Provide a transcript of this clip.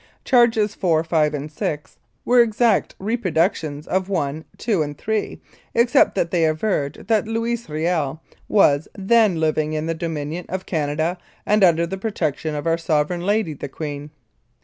Charges four, five and six were exact reproductions of one, two and three, except that they averred that Louis Kiel was "Then living within the Dominion of Canada and under the protection of our Sovereign Lady the Queen."